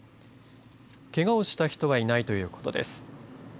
けがをした人はいないということです。